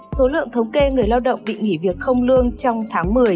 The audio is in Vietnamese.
số lượng thống kê người lao động bị nghỉ việc không lương trong tháng một mươi